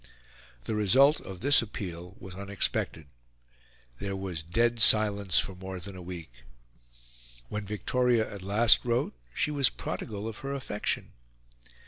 The result of this appeal was unexpected; there was dead silence for more than a week. When Victoria at last wrote, she was prodigal of her affection.